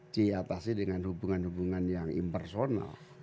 diatasi dengan hubungan hubungan yang impersonal